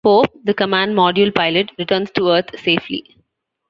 Pope, the command module pilot, returns to Earth safely.